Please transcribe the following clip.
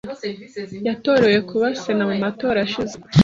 Yatorewe kuba Sena mu matora ashize.